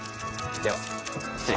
では失礼。